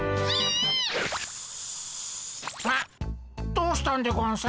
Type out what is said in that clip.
どうしたんでゴンス？